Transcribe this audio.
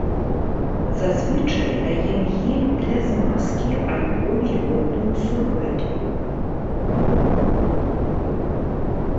Зазвычай даем гель для змазкі альбо вільготную сурвэтку.